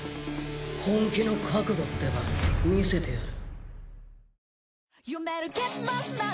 本気の覚悟ってば見せてやる。